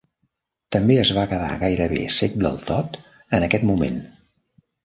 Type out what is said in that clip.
També es va quedar gairebé cec del tot en aquest moment.